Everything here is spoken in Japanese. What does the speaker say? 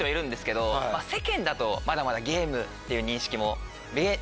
まだまだゲームっていう認識も。